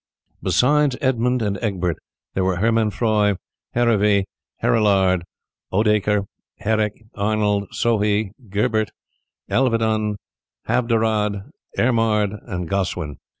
Besides Edmund and Egbert there were Hermanfroi, Herivee, Herilard, Odoacre, Herric, Arnold, Sohie, Gerbert, Elvidon, Havderad, Ermard, and Gossuin.